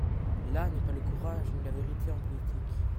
Là n’est pas le courage, ni la vérité en politique.